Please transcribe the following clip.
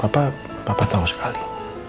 papa tau sekali